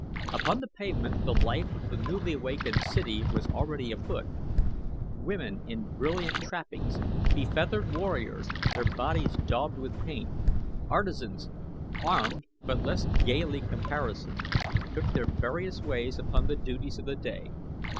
Upon the pavement the life of the newly awakened city was already afoot. Women in brilliant trappings, befeathered warriors, their bodies daubed with paint; artisans, armed but less gaily caparisoned, took their various ways upon the duties of the day.